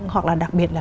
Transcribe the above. hoặc là đặc biệt là